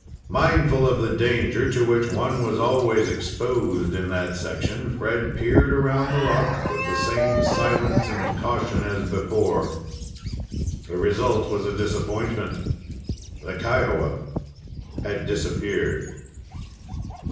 Mindful of the danger to which one was always exposed in that section, Fred peered around the rock with the same silence and caution as before. The result was a disappointment. The Kiowa had disappeared.